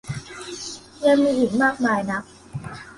ยังมีอีกมากมายนัก